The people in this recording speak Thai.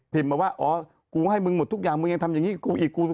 มาว่าอ๋อกูให้มึงหมดทุกอย่างมึงยังทำอย่างนี้กับกูอีกกู